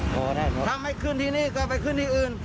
ถ้าไม่ขึ้นที่นี่ก็ไปขึ้นที่อื่น